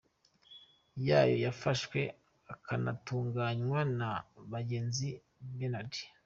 yayo yafashwe akanatunganywa na Bagenzi Bernard.